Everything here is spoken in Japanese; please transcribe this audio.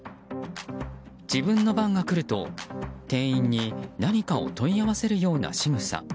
自分の番が来ると、店員に何かを問い合わせるようなしぐさ。